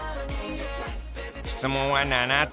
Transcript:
質問は７つ。